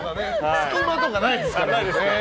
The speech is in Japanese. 隙間とかないですから。